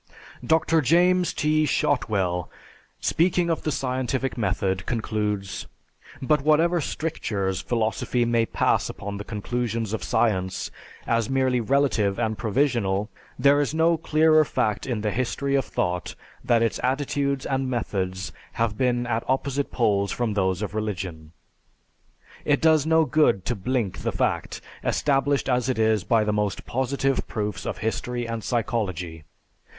Dr. James T. Shotwell, speaking of the scientific method, concludes, "But whatever strictures philosophy may pass upon the conclusions of science, as merely relative and provisional, there is no clearer fact in the history of thought, that its attitudes and methods have been at opposite poles from those of religion. It does no good to blink the fact, established as it is by the most positive proofs of history and psychology.